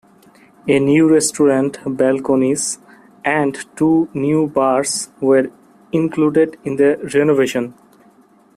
A new restaurant, balconies, and two new bars were included in the renovation.